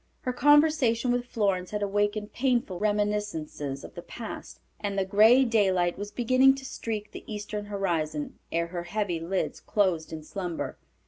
Her conversation with Florence had awakened painful reminiscences of the past, and the gray daylight was beginning to streak the eastern horizon ere her heavy lids closed in slumber.